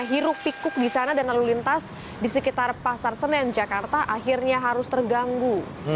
hiruk pikuk di sana dan lalu lintas di sekitar pasar senen jakarta akhirnya harus terganggu